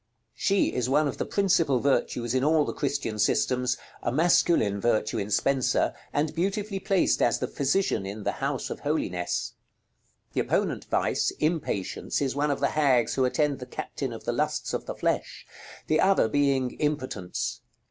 She is one of the principal virtues in all the Christian systems: a masculine virtue in Spenser, and beautifully placed as the Physician in the House of Holinesse. The opponent vice, Impatience, is one of the hags who attend the Captain of the Lusts of the Flesh; the other being Impotence.